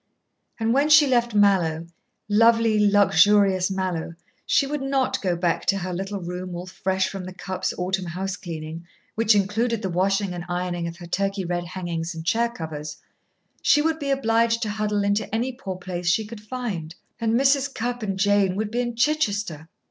And when she left Mallowe lovely, luxurious Mallowe she would not go back to her little room all fresh from the Cupps' autumn house cleaning, which included the washing and ironing of her Turkey red hangings and chair covers; she would be obliged to huddle into any poor place she could find. And Mrs. Cupp and Jane would be in Chichester.